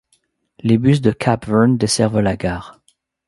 Les bus de Capvern desservent la gare.